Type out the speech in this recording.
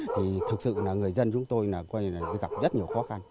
thì thực sự là người dân chúng tôi gặp rất nhiều khó khăn